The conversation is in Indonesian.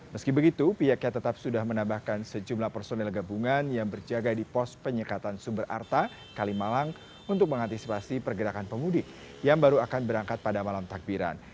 meski begitu pihaknya tetap sudah menambahkan sejumlah personel gabungan yang berjaga di pos penyekatan sumber arta kalimalang untuk mengantisipasi pergerakan pemudik yang baru akan berangkat pada malam takbiran